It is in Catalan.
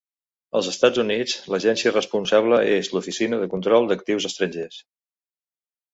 Als Estats Units, l'agència responsable és l'Oficina de Control d'Actius Estrangers.